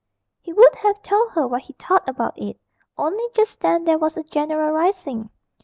He would have told her what he thought about it, only just then there was a general rising.